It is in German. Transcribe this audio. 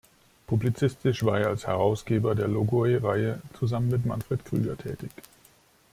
Publizistisch war er als Herausgeber der "Logoi"-Reihe zusammen mit Manfred Krüger tätig.